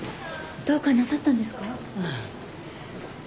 どうかなさったんですか？